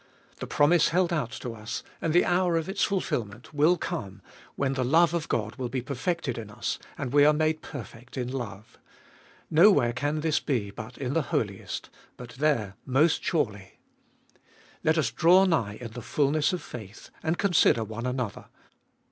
The promise held out to us, and the hour of its fulfil ment, will come, when the love of God will be perfected in us, and we are made perfect in love. Nowhere can this be but in the Holiest ; but there most surely. Let us draw nigh in the fulness of faith, and consider one another.